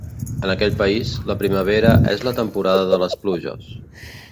En aquell país, la primavera és la temporada de les pluges.